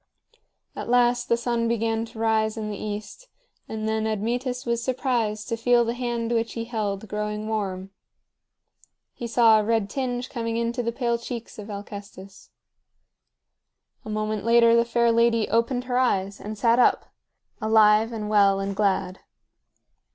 At last the sun began to rise in the east, and then Admetus was surprised to feel the hand which he held growing warm. He saw a red tinge coming into the pale cheeks of Alcestis. A moment later the fair lady opened her eyes and sat up, alive and well and glad.